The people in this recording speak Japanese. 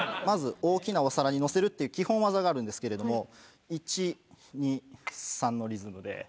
まず大きなお皿にのせるっていう基本技があるんですけれども１・２・３のリズムで。